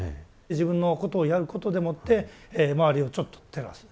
自分のことをやることでもって周りをちょっと照らす。